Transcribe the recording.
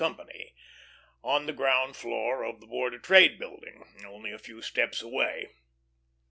on the ground floor of the Board of Trade Building, only a few steps away.